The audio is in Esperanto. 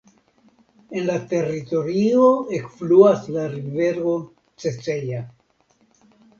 En la teritorio ekfluas la rivero Ceceja.